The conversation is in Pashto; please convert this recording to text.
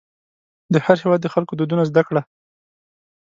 د هر هېواد د خلکو دودونه زده کړه.